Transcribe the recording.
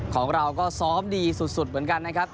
ของเราก็ซ้อมดีสุดเหมือนกันนะครับ